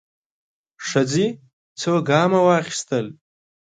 ښځې څو ګامه واخيستل.